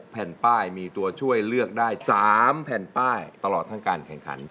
แผ่นป้ายมีตัวช่วยเลือกได้๓แผ่นป้ายตลอดทั้งการแข่งขัน